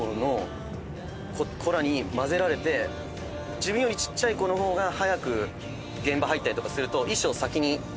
自分よりちっちゃい子の方が早く現場入ったりとかすると衣装先に取るんですね。